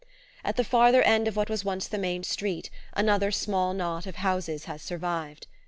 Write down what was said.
At the farther end of what was once the main street another small knot of houses has survived.